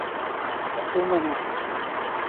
حق ومنه.